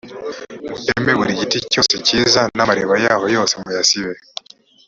muteme buri giti cyose cyiza namariba yaho yose muyasibe